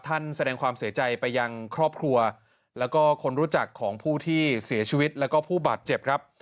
แสดงความเสียใจไปยังครอบครัวแล้วก็คนรู้จักของผู้ที่เสียชีวิตแล้วก็ผู้บาดเจ็บครับ